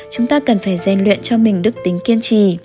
chúng ta cần phải rèn luyện cho mình đức tính kiên trì